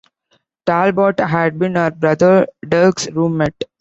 Talbott had been her brother, Derek's, roommate.